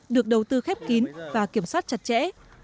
được đầu tư khép kín và kiểm soát chặt chẽ